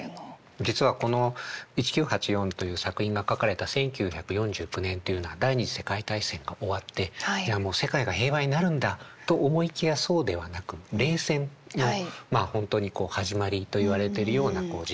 実はこの「１９８４」という作品が書かれた１９４９年というのは第二次世界大戦が終わってじゃあもう世界が平和になるんだと思いきやそうではなく冷戦の本当に始まりといわれてるような時代ですよね。